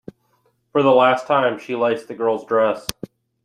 For the last time she laced the girl's dress.